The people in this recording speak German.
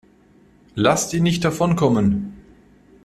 Lasst ihn nicht davonkommen!